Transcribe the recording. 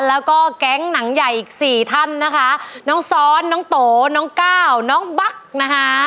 แล้วก็แก๊งหนังใหญ่อีกสี่ท่านนะคะน้องซ้อนน้องโตน้องก้าวน้องบั๊กนะคะ